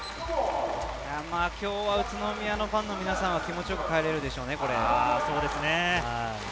今日は宇都宮のファンの皆さんは気持ちよく帰れるでしょうね。